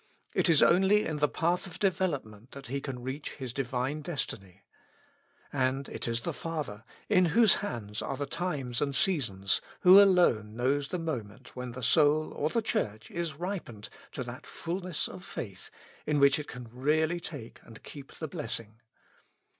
It is only in the path of development that he can reach his divine destiny. And it is the Father, in whose hands are the times and seasons, who alone knows the moment when the soul or the 126 With Christ in the School of Prayer. Church is ripened to that fulness of faith in which it can really take and keep the blessing.